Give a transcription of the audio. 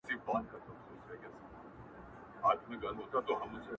چي له بې ميني ژونده؛